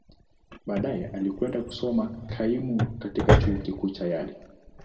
Baadaye, alikwenda kusoma kaimu katika Chuo Kikuu cha Yale.